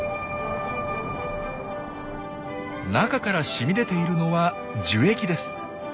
中からしみ出ているのは樹液です。